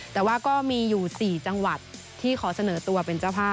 แต่ว่าก็มีอยู่๔จังหวัดที่ขอเสนอตัวเป็นเจ้าภาพ